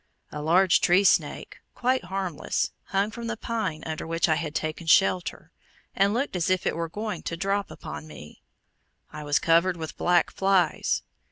A large tree snake (quite harmless) hung from the pine under which I had taken shelter, and looked as if it were going to drop upon me. I was covered with black flies.